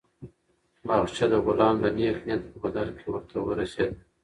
باغچه د غلام د نېک نیت په بدل کې ورته ورسېده.